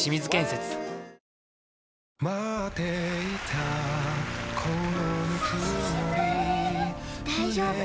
大丈夫。